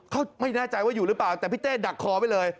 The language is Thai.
เขาไม่แน่ใจว่าอยู่หรือเปล่าแต่พี่เต้ดักคอไว้เลย